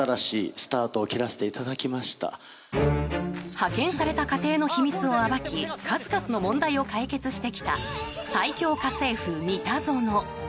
派遣された家庭の秘密を暴き数々の問題を解決してきた最恐家政夫、三田園。